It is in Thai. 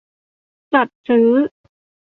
จัดซื้อ